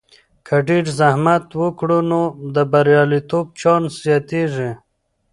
که ډیر زحمت وکړو، نو د بریالیتوب چانس زیاتیږي.